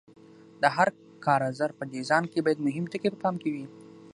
د هر کارزار په ډیزاین کې باید مهم ټکي په پام کې وي.